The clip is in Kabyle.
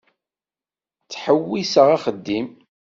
Ttḥewwiseɣ axeddim.